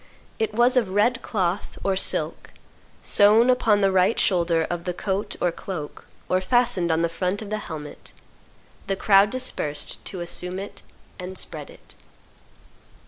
It was of red cloth or silk, sewn upon the right shoulder of the coat or cloak, or fastened on the front of the helmet. The crowd dispersed to assume it and spread it.